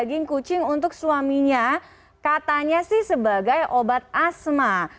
daging kucing untuk suaminya katanya sih sebagai obat asma